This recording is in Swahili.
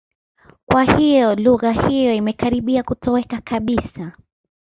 Kwa hiyo lugha hiyo imekaribia kutoweka kabisa.